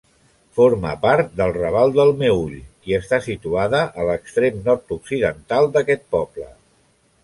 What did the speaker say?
Forma part del raval del Meüll, i està situada a l'extrem nord-occidental d'aquest poble.